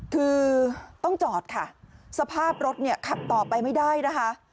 คือต้องจอดค่ะสภาพรถเนี่ยขับต่อไปไม่ได้นะคะ